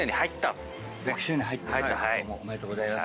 どうもおめでとうございます。